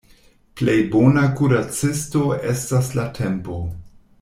Plej bona kuracisto estas la tempo.